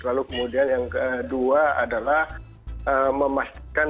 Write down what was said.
lalu kemudian yang kedua adalah memastikan